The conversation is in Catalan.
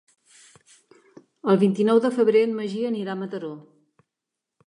El vint-i-nou de febrer en Magí anirà a Mataró.